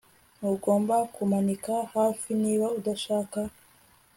Ntugomba kumanika hafi niba udashaka